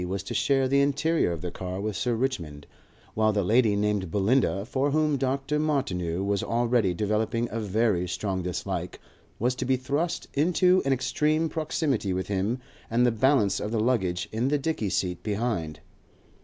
was to share the interior of the car with Sir Richmond, while the lady named Belinda, for whom Dr. Martineau was already developing a very strong dislike, was to be thrust into an extreme proximity with him and the balance of the luggage in the dicky seat behind.